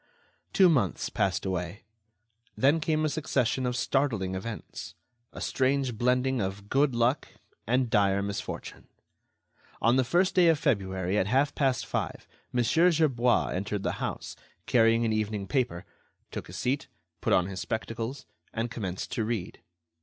Two months passed away. Then came a succession of startling events, a strange blending of good luck and dire misfortune! On the first day of February, at half past five, Mon. Gerbois entered the house, carrying an evening paper, took a seat, put on his spectacles, and commenced to read.